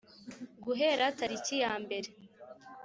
gahera tariki ya mbere